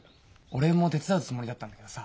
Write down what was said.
俺も手伝うつもりだったんだけどさ